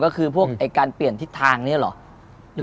ก็คือพวกการเปลี่ยนทิศทางนี้เหรอ